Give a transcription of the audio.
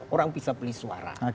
orang bisa beli suara